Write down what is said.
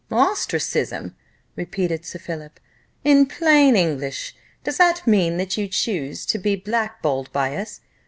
"Ostracism!" repeated Sir Philip. "In plain English, does that mean that you choose to be black balled by us?